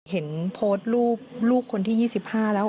เห็นโพสต์รูปลูกคนที่๒๕แล้ว